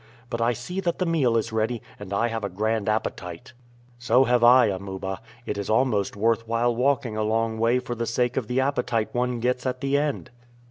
But I see that the meal is ready, and I have a grand appetite." "So have I, Amuba. It is almost worth while walking a long way for the sake of the appetite one gets at the end."